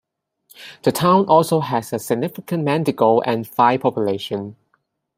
The town also has a significant Mandingo and Vai population.